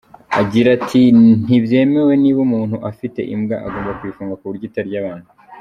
Agira ati "Ntibyemewe niba umuntu afite imbwa agomba kuyifunga ku buryo itarya abantu.